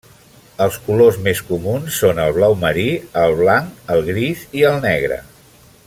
Els colors més comuns són el blau marí, el blanc, el gris i el negre.